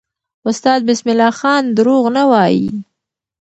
استاد بسم الله خان دروغ نه وایي.